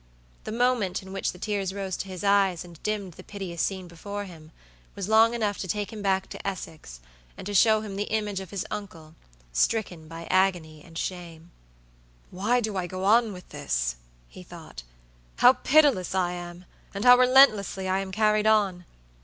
The moment in which the tears rose to his eyes and dimmed the piteous scene before him, was long enough to take him back to Essex, and to show him the image of his uncle, stricken by agony and shame. "Why do I go on with this?" he thought; "how pitiless I am, and how relentlessly I am carried on.